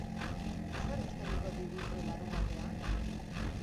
Zer eskainiko diguzue larunbatean?